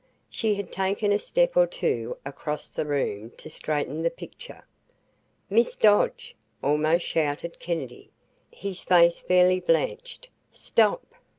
She had taken a step or two across the room to straighten the picture. "Miss Dodge!" almost shouted Kennedy, his face fairly blanched, "Stop!"